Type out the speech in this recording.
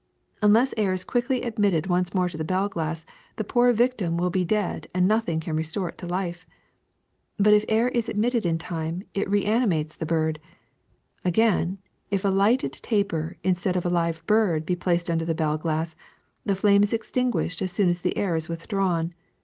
Unless air is quickly ad mitted once more to the bell glass, the poor victim will be dead and nothing can restore it to life. But if air is admitted in time, it re animates the bird. Again, if a lighted taper instead of a live bird be placed under the bell glass, the flame is extinguished as soon as the air is withdra^vn.